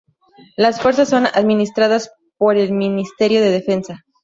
Las fuerzas son administradas por el ministerio de defensa.